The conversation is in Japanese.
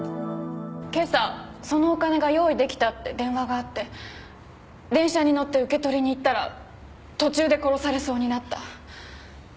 今朝そのお金が用意できたって電話があって電車に乗って受け取りに行ったら途中で殺されそうになった。